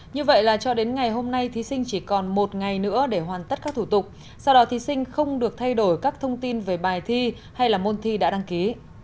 như vậy là cho đến ngày hôm nay thí sinh chỉ còn một ngày nữa để hoàn tất các thủ tục sau đó thí sinh không được thay đổi các thông tin về bài thi hay là môn thi đã đăng ký